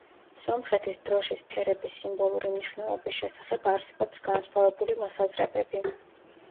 სომხეთის დროშის ფერების სიმბოლური მნიშვნელობის შესახებ არსებობს განსხვავებული მოსაზრებები.